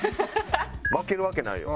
負けるわけないよ。